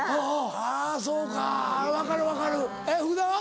あぁそうか分かる分かるえっ福田は？